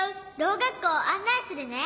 がっこうをあんないするね。